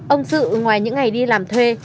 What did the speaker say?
ông sự ngoài những ngày đi làm thuê